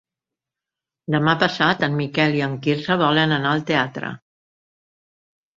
Demà passat en Miquel i en Quirze volen anar al teatre.